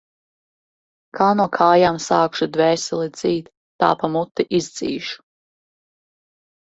Kā no kājām sākšu dvēseli dzīt, tā pa muti izdzīšu.